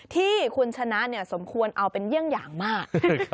ที่คุณชนะสมควรเอาเป็นเยี่ยงอย่างมาก